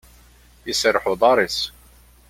Iserreḥ uḍar-is.